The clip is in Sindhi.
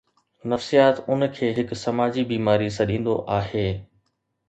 نفسيات ان کي هڪ سماجي بيماري سڏيندو هو.